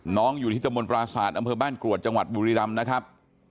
อยู่ที่ตะมนตราศาสตร์อำเภอบ้านกรวดจังหวัดบุรีรำนะครับ